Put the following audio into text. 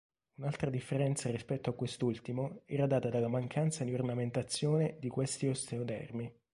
Un'altra differenza rispetto a quest'ultimo era data dalla mancanza di ornamentazione di questi osteodermi.